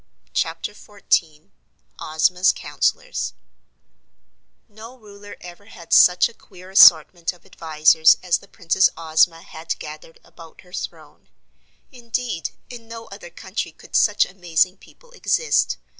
Chapter Fourteen Ozma's Counsellors No Ruler ever had such a queer assortment of advisers as the Princess Ozma had gathered about her throne. Indeed, in no other country could such amazing people exist.